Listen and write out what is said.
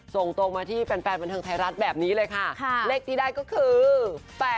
ส่งตรงมาที่แฟนบันเทิงไทยรัฐแบบนี้เลยค่ะเลขที่ได้ก็คือ